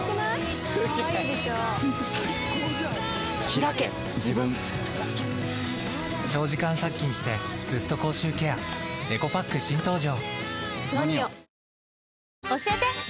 ひらけ自分長時間殺菌してずっと口臭ケアエコパック新登場！